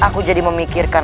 aku jadi memikirkan